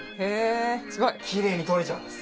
きれいに取れちゃうんです。